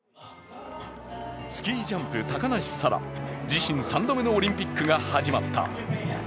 スキージャンプ、高梨沙羅自身３度目のオリンピックが始まった。